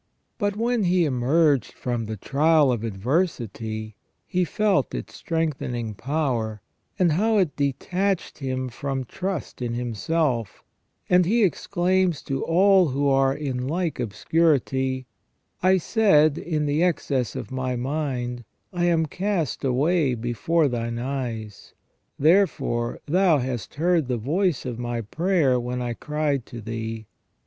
But when he emerged from the trial of adversity, he felt its strength ening power, and how it detached him from trust in himself; and 15© SELF AND CONSCIENCE he exclaims to all who are in like obscurity :" I said in the excess of my mind, I am cast away before Thine eyes. Therefore Thou hast heard the voice of my prayer, when I cried to Thee.